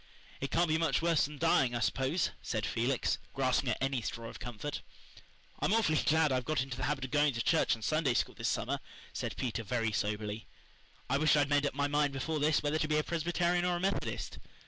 "It can't be much worse than dying, I s'pose," said Felix, grasping at any straw of comfort. "I'm awful glad I've got into the habit of going to church and Sunday School this summer," said Peter very soberly. "I wish I'd made up my mind before this whether to be a Presbyterian or a Methodist.